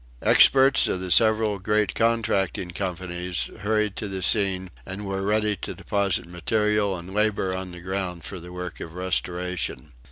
Experts of the several great contracting companies hurried to the scene and were ready to deposit material and labor on the ground for the work of restoration.